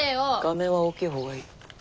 画面は大きい方がいい。